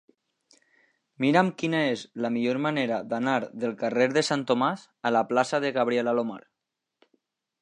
Mira'm quina és la millor manera d'anar del carrer de Sant Tomàs a la plaça de Gabriel Alomar.